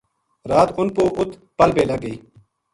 رات اُنھ پو اُت پل بے لگ گئی